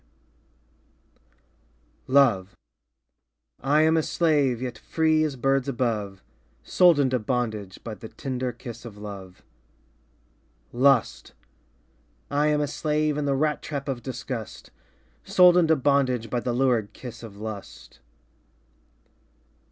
P.) Love I am a slave, Yet free as birds above, Sold into bondage By the tender kiss of love. Lust I am a slave In the rat trap of disgust, Sold into bondage By the lurid kiss of lust.